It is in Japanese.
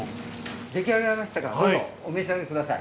出来上がりましたからどうぞお召し上がり下さい。